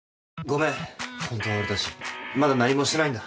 ごめん。